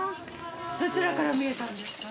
どちらからみえたんですか？